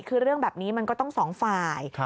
คือเรื่องแบบนี้มันก็ต้องสองฝ่าย